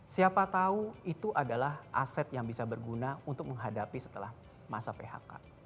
siapa tahu itu adalah aset yang bisa berguna untuk menghadapi setelah masa phk